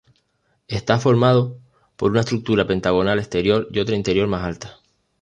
Está formado por una estructura pentagonal exterior y otra interior más alta.